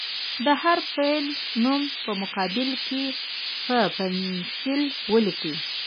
د هر فعل نوم په مقابل کې په پنسل ولیکئ.